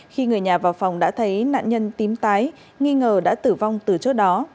khi người nhà vào phòng đã thấy nạn nhân tím tái nghi ngờ đã tử vong từ trước đó